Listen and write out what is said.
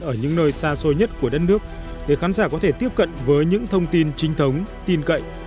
ở những nơi xa xôi nhất của đất nước để khán giả có thể tiếp cận với những thông tin trinh thống tin cậy